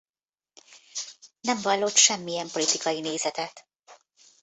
Nem vallott semmilyen politikai nézetet.